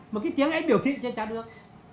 mà cái tiếng ấy biểu thị cho nên chả được